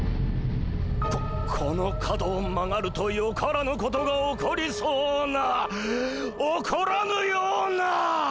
ここの角を曲がるとよからぬことが起こりそうな起こらぬような！